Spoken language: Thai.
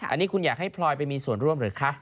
อันนี้คุณอยากให้พลอยไปมีส่วนร่วมหรือคะ